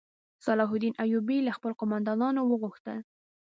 صلاح الدین ایوبي له خپلو قوماندانانو وغوښتل.